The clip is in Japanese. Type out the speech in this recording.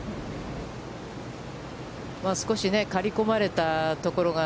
少し刈り込まれたところが、